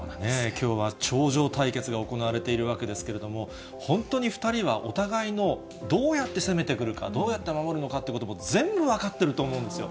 きょうは頂上対決が行われているわけですけれども、本当に２人はお互いのどうやって攻めてくるか、どうやって守るのかということも、全部分かってると思うんですよ。